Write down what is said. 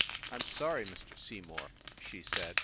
"I m sorry, Mr. Seymour," she said.